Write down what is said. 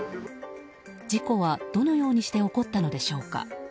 事故は、どのようにして起こったのでしょうか。